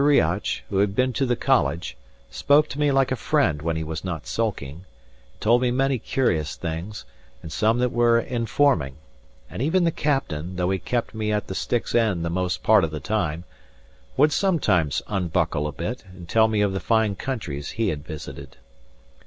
Riach, who had been to the college, spoke to me like a friend when he was not sulking, and told me many curious things, and some that were informing; and even the captain, though he kept me at the stick's end the most part of the time, would sometimes unbuckle a bit, and tell me of the fine countries he had visited.